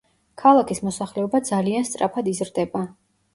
ქალაქის მოსახლეობა ძალიან სწრაფად იზრდება.